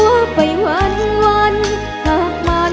ภูมิสุภาพยาบาลภูมิสุภาพยาบาล